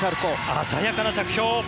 鮮やかな着氷。